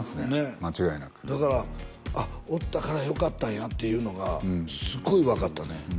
間違いなくだからあっおったからよかったんやっていうのがすごい分かったね